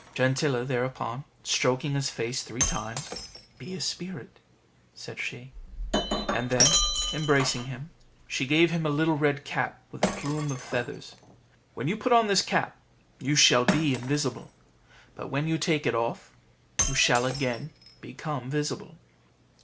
Gentilla thereupon stroking his face three times, "Be a spirit," said she; and then, embracing him, she gave him a little red cap with a plume of feathers. "When you put on this cap, you shall be invisible; but when you take it off, you shall again become visible."